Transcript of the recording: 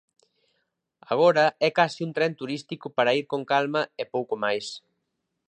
Agora é case un tren turístico para ir con calma e pouco máis.